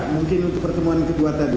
mungkin pertemuan yang kedua tadi